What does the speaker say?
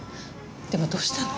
でもどうしたの？